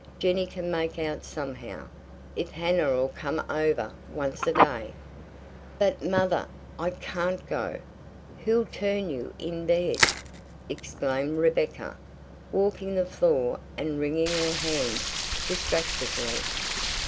Jenny can make out somehow, if Hannah'll come over once a day." "But, mother, I CAN'T go! Who'll turn you in bed?" exclaimed Rebecca, walking the floor and wringing her hands distractedly.